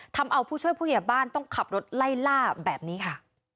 ทำเอาผู้ช่วยผู้ใหญ่บ้านต้องขับรถไล่ล่าแบบนี้ค่ะ